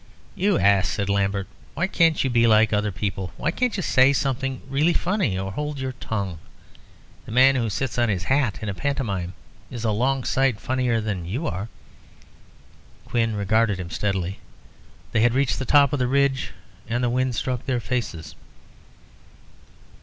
"You ass," said Lambert; "why can't you be like other people? Why can't you say something really funny, or hold your tongue? The man who sits on his hat in a pantomime is a long sight funnier than you are." Quin regarded him steadily. They had reached the top of the ridge and the wind struck their faces.